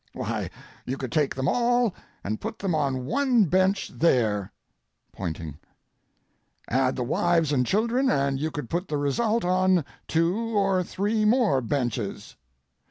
Why, you could take them all and put them on one bench there [pointing]. Add the wives and children and you could put the result on, two or three more benches.